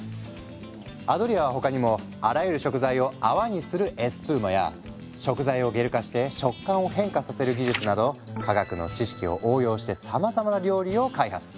アドリアは他にもあらゆる食材を泡にするエスプーマや食材をゲル化して食感を変化させる技術など科学の知識を応用してさまざまな料理を開発。